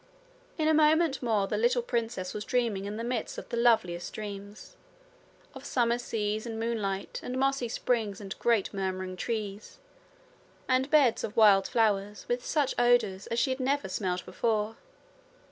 In a moment more the little princess was dreaming in the midst of the loveliest dreams of summer seas and moonlight and mossy springs and great murmuring trees, and beds of wild flowers with such odours as she had never smelled before.